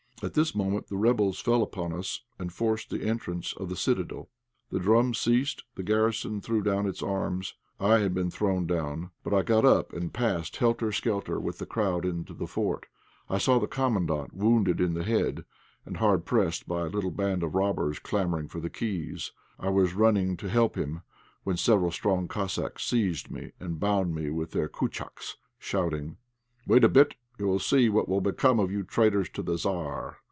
At this moment the rebels fell upon us and forced the entrance of the citadel. The drum ceased, the garrison threw down its arms. I had been thrown down, but I got up and passed helter skelter with the crowd into the fort. I saw the Commandant wounded in the head, and hard pressed by a little band of robbers clamouring for the keys. I was running to help him, when several strong Cossacks seized me, and bound me with their "kúchaks," shouting "Wait a bit, you will see what will become of you traitors to the Tzar!"